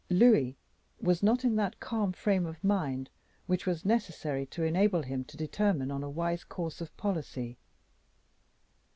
Louis was not in that calm frame of mind which was necessary to enable him to determine on a wise course of policy.